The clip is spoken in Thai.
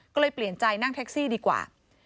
ก็เลยเปลี่ยนใจนั่งแท็กซี่ดีกว่า